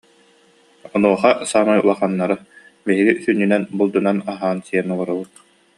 Онуоха саамай улаханнара: «Биһиги сүнньүнэн булдунан аһаан-сиэн олоробут